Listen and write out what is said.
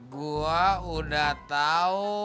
gua udah tahu